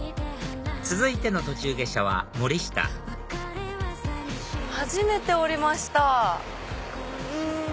続いての途中下車は森下初めて降りました。